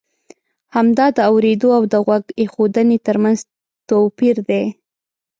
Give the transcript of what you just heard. همدا د اورېدو او د غوږ اېښودنې ترمنځ توپی ر دی.